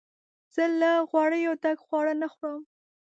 زه له غوړیو ډک خواړه نه خورم.